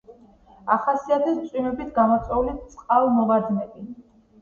ახასიათებს წვიმებით გამოწვეული წყალმოვარდნები.